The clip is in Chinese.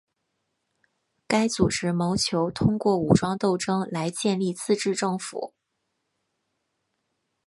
该组织谋求通过武装斗争来建立自治政府。